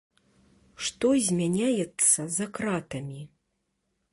Што змяняецца за кратамі?